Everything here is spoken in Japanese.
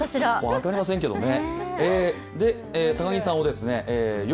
分かりませんけどもね。